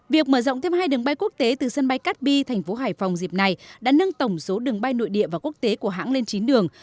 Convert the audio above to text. việc mở rộng thêm hai đường bay quốc tế từ sân bay cát bi thành phố hải phòng dịp này đã nâng tổng số đường bay nội địa và quốc tế của hãng lên chín đường